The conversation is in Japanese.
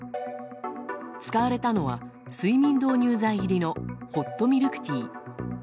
使われたのは睡眠導入剤入りのホットミルクティー。